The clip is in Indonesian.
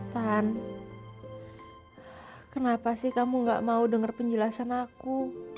tan kenapa sih kamu gak mau dengar penjelasan aku